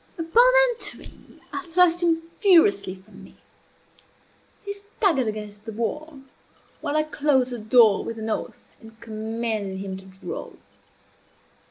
Upon entering, I thrust him furiously from me. He staggered against the wall, while I closed the door with an oath, and commanded him to draw.